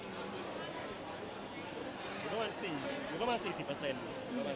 อยู่ประมาณ๔๐